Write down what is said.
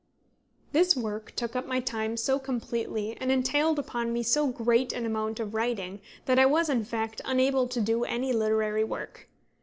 This work took up my time so completely, and entailed upon me so great an amount of writing, that I was in fact unable to do any literary work.